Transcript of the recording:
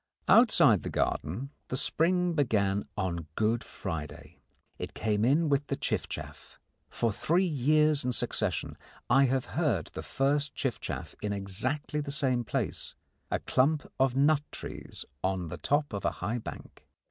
Outside the garden the spring began on Good Friday. It came in with the chiffchaff. For three years in succession I have heard the first chiffchaff in exactly the same place a clump of nut trees on the top of a high bank.